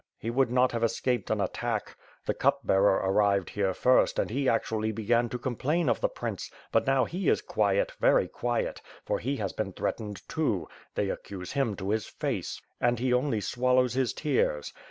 He would not have escaped an attack. The cup bearer arrived here first, and he actually began to complain of the prince; but now he is quiet, very quiet; for he has been threatened, too. They accuse him to his face, and he only swallows his tears.